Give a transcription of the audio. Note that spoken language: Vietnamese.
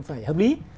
phải hợp lý